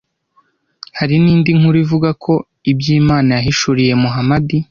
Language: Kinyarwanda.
Hari n’indi nkuru ivuga ko ibyo Imana yahishuriye Muhamadi,